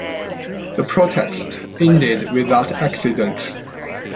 The protest ended without accidents.